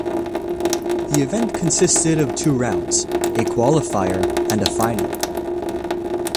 The event consisted of two rounds: a qualifier and a final.